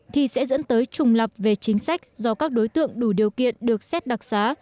thì sẽ dẫn tới trùng lập về chính sách do các đối tượng đủ điều kiện được xét đặc xá